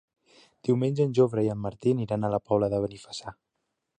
Diumenge en Jofre i en Martí iran a la Pobla de Benifassà.